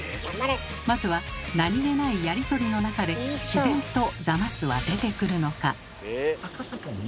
まずは何気ないやり取りの中で自然と「ザマス」は出てくるのか？